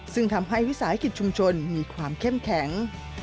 ซึ่งทำให้วิสาหกิจชุมชนมีความเข้มแข็ง